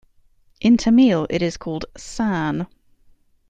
In Tamil, it is called "saaN".